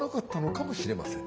かもしれません